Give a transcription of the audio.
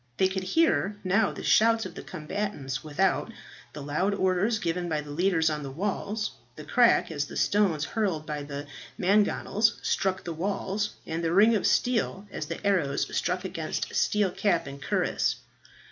They could hear now the shouts of the combatants without, the loud orders given by the leaders on the walls, the crack, as the stones hurled by the mangonels struck the walls, and the ring of steel as the arrows struck against steel cap and cuirass.